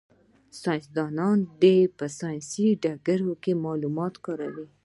ساینس دان دي په ساینسي ډګر کي معلومات وکاروي.